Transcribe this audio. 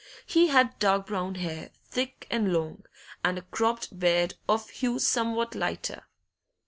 He had dark brown hair, thick and long, and a cropped beard of hue somewhat lighter.